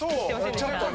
ちょっとね。